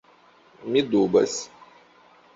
Mi dubas!